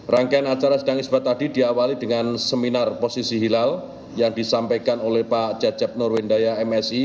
rangkaian acara sidang isbat tadi diawali dengan seminar posisi hilal yang disampaikan oleh pak cecep nurwendaya msi